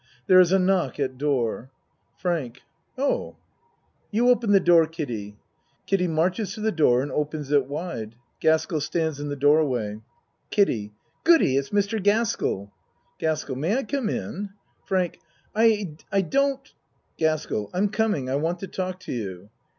There is a knock at door.) FRANK Oh FRANK You open the door, Kiddie. (Kiddie marches to the door and opens it wide. Gaskell stands in the doorway.) KIDDIE Goodie! It's Mr. Gaskell. GASKELL May I come in? FRANK I don't GASKELL I'm coming. I want to talk to you.